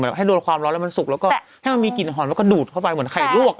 แล้วมันสุกแล้วก็ให้มันมีกลิ่นหอมแล้วก็ดูดเข้าไปเหมือนไข่ลวก